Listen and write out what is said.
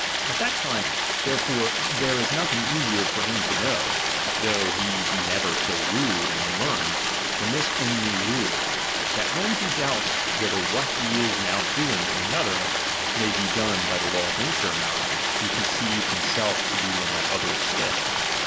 At that time therefore there is nothing easier for him to know, though he be never so rude and I xxnlearned, than this only rule, that when he doubts chap. hi. v^hether what he is now doing to another may be '' «3one by the law of nature or not, he conceive inimself to be in that other's stead.